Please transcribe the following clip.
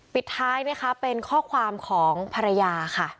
ปิดท้ายนะคะเป็นข้อความของภรรยาค่ะ